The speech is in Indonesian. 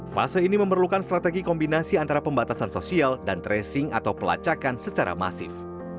fase ini memerlukan strategi kombinasi antara pembatasan sosial dan tracing atau pelacakan secara masif